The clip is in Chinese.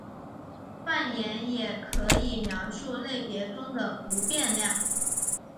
断言也可以描述类别中的不变量。